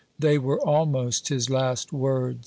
They were almost his last words.